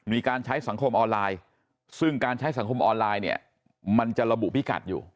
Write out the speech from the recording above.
มีการใช้สังคมออนไลน์ซึ่งการใช้สังคมออนไลน์เนี่ยมันจะระบุพิกัดอยู่